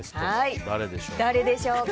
誰でしょうか。